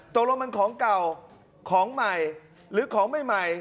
ตกลงมันของเก่าของใหม่หรือของใหม่